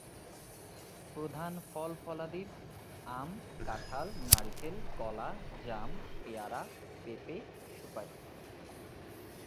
প্রধান ফল-ফলাদিব আম, কাঁঠাল, নারিকেল, কলা, জাম, পেয়ারা, পেঁপে, সুপারি।